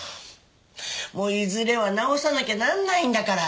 もういずれは直さなきゃならないんだから。